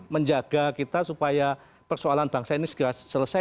menjaga kita supaya persoalan bangsa ini segera selesai